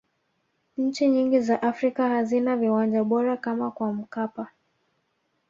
nchi nyingi za afrika hazina viwanja bora kama kwa mkapa